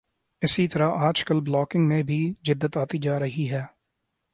اسی طرح آج کل بلاگنگ میں بھی جدت آتی جا رہی ہے